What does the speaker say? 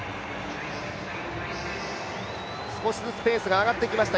少しずつペースが上がってきました。